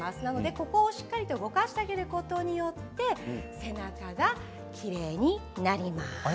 ここをしっかりと動かしてあげることによって背中がきれいになります。